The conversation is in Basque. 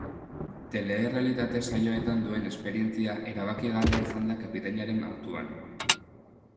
Telerrealitate saioetan duen esperientzia erabakigarria izan da kapitainaren hautuan.